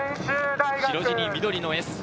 白地に緑のＳ。